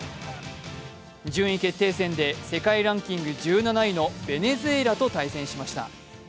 順位決定戦で世界ランキング１７位のベネズエラと対戦しました。